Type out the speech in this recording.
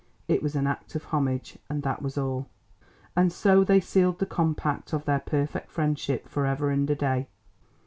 It was an act of homage, and that was all. And so they sealed the compact of their perfect friendship for ever and a day.